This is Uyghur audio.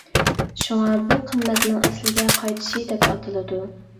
شۇڭا بۇ قىممەتنىڭ ئەسلىگە قايتىشى دەپ ئاتىلىدۇ.